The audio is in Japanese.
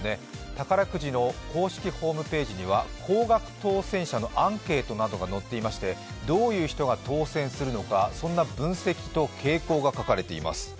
宝くじの公式ホームページには高額当選者のアンケートなどが載っていましてどういう人が当選するのか、そんな分析と傾向が書かれています。